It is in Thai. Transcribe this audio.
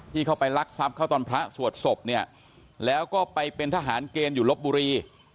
เข้าไปรักทรัพย์เขาตอนพระสวดศพเนี่ยแล้วก็ไปเป็นทหารเกณฑ์อยู่ลบบุรี